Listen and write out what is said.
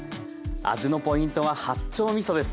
味のポイントは八丁みそです。